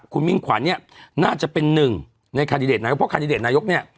คุณมิ่งขวัญเนี่ยน่าจะเป็นหนึ่งในคาดิเดตนายกเพราะคันดิเดตนายกเนี่ย